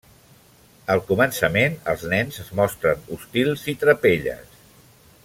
Al començament, els nens es mostren hostils i trapelles.